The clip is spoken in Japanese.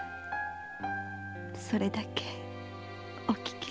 それだけお聞きすれば。